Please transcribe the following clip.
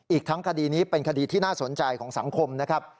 อีกทั้งคดีนี้เป็นคดีที่น่าสนใจของสังคมนะครับ